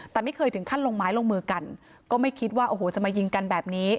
แต่ไม่เคยถึงขั้นลงไม้ลงมือกันก็ไม่คิดว่าโอ้โหจะมายิงกันแบบนี้